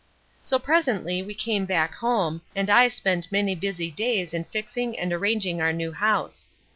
So presently we came back home, and I spent many busy days in fixing and arranging our new house.